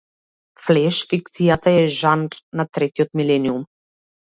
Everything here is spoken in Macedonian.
Флеш фикцијата е жанр на третиот милениум.